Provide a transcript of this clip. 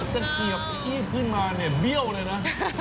จะเกียบขี้ขึ้นมาเนี่ยเบี้ยวเลยนะ